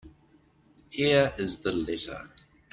Here is the letter.